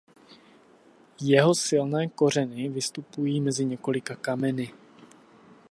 Jeho silné kořeny vystupují mezi několika kameny.